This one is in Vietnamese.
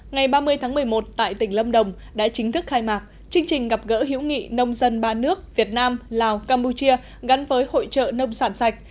ngày ba mươi tháng một mươi một tại tỉnh lâm đồng đã chính thức khai mạc chương trình gặp gỡ hiểu nghị nông dân ba nước việt nam lào campuchia gắn với hội trợ nông sản sạch